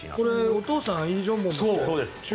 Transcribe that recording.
お父さんイ・ジョンボムって。